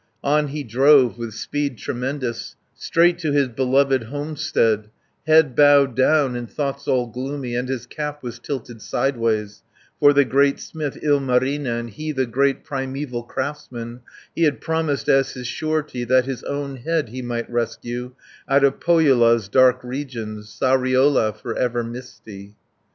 On he drove with speed tremendous, Straight to his beloved homestead, Head bowed down, and thoughts all gloomy, And his cap was tilted sideways, For the great smith Ilmarinen, He the great primeval craftsman, He had promised as his surety, That his own head he might rescue 50 Out of Pohjola's dark regions, Sariola for ever misty.